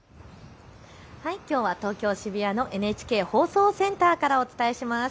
きょうは東京渋谷のＮＨＫ放送センターからお伝えします。